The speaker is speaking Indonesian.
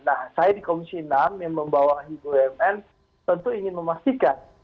nah saya di komisi enam yang membawa hidup umn tentu ingin memastikan